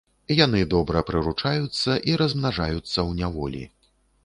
Яны добра прыручаюцца і размнажаюцца ў няволі.